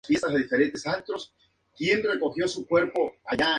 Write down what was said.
Escudo de Castejón de Alarba-Zaragoza.